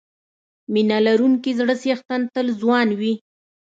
د مینه لرونکي زړه څښتن تل ځوان وي.